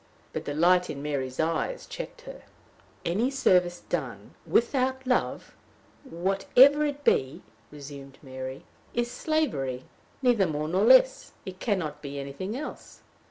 But the light in Mary's eyes checked her. "Any service done without love, whatever it be," resumed Mary, "is slavery neither more nor less. It can not be anything else.